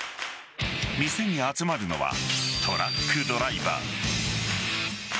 店に集まるのはトラックドライバー。